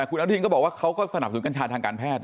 คุณอนุทินก็บอกว่าเขาก็สนับสนุนกัญชาทางการแพทย์